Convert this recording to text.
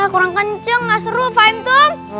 kurang kenceng gak seru fahim tum